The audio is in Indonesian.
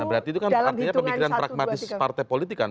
berarti itu kan artinya pemikiran pragmatis partai politik kan